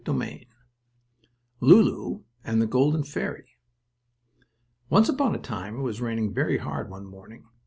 STORY XXV LULU AND THE GOLDEN FAIRY Once upon a time it was raining very hard one morning.